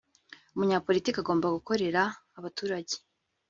umunyapolitiki agomba gukorera abaturage